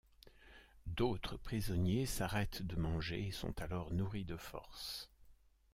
D'autres prisonniers s'arrêtent de manger, et sont alors nourris de force.